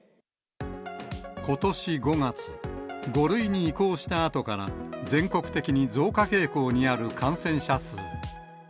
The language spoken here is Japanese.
ことし５月、５類に移行したあとから、全国的に増加傾向にある感染者数。